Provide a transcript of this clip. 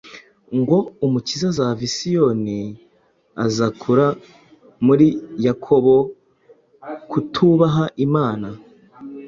ngo, ‘Umukiza azava i Siyoni, azakura muri Yakobo kutubaha Imana.